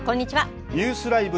ニュースＬＩＶＥ！